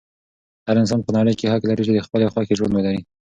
هر انسان په نړۍ کې حق لري چې د خپلې خوښې ژوند ولري.